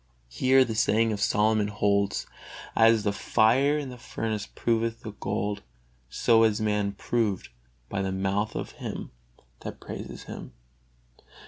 Here the saying of Solomon holds: "As the fire in the furnace proveth the gold, so man is proved by the mouth of him that praises him."